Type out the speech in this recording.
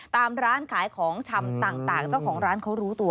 ตามร้านขายของชำต่างเจ้าของร้านเขารู้ตัว